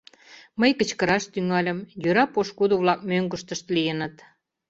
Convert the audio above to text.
Мый кычкыраш тӱҥальым, йӧра пошкудо-влак мӧҥгыштышт лийыныт.